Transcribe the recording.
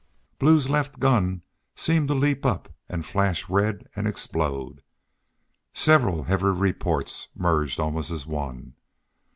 Blue's left gun seemed to leap up and flash red and explode. Several heavy reports merged almost as one.